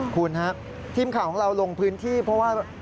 คุณฮะทีมข่าวของเราลงพื้นที่เพราะว่า